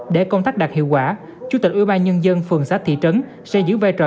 để công tác đạt hiệu quả chủ tịch ủy ban nhân dân tp hcm sẽ giữ vai trò